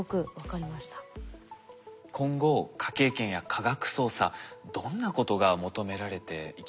今後科警研や科学捜査どんなことが求められていきますか？